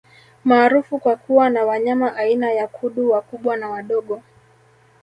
Maarufu kwa kuwa na wanyama aina ya Kudu wakubwa na wadogo